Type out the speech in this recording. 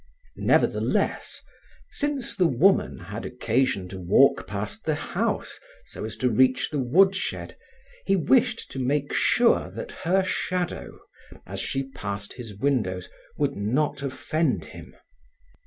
Nevertheless, since the woman had occasion to walk past the house so as to reach the woodshed, he wished to make sure that her shadow, as she passed his windows, would not offend him.